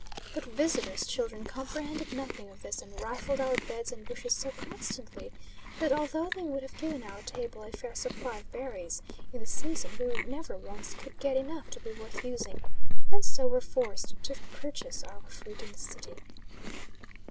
But, visitors' children comprehended nothing of this, and rifled our beds and bushes so constantly, that, although they would have given our table a fair supply of berries, in the season, we never once could get enough to be worth using, and so were forced to purchase our fruit in the city.